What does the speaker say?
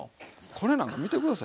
これなんか見て下さい。